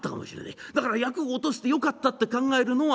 だから厄を落とせてよかったって考えるのはどう？」。